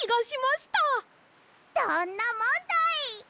どんなもんだい！